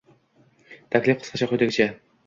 Taklif qisqacha quyidagicha: